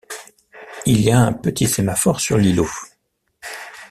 Il y a un petit sémaphore sur l'îlot.